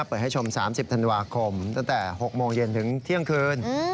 เปิดให้ชม๓๐ธันวาคมตั้งแต่๖โมงเย็นถึงเที่ยงคืน